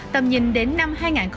tầm nhìn đến năm hai nghìn hai mươi năm